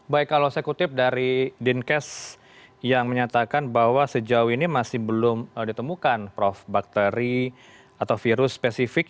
baik kalau saya kutip dari dinkes yang menyatakan bahwa sejauh ini masih belum ditemukan prof bakteri atau virus spesifik